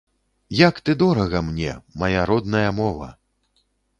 Як ты дорага мне, мая родная мова!